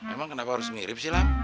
emang kenapa harus mirip sih lah